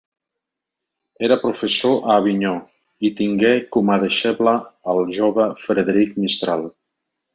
Era professor a Avinyó, i tingué com a deixeble el jove Frederic Mistral.